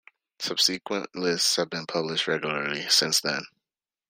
Subsequent lists have been published regularly since then.